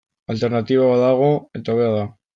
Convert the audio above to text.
Alternatiba badago, eta hobea da.